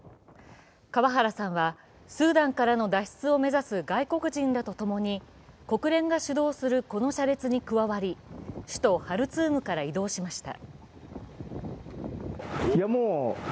川原さんは、スーダンからの脱出を目指す外国人らとともに国連が主導するこの車列に加わり、首都ハルツームから移動しました。